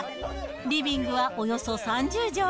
リビングはおよそ３０畳。